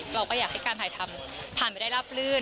เราก็อยากให้การถ่ายทำผ่านไปได้ราบลื่น